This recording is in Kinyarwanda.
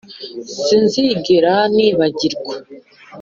sinzigera nibagirwa